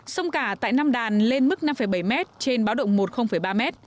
sông cả tại nam đàn lên mức năm bảy m trên báo động một ba m